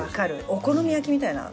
お好み焼きみたいな。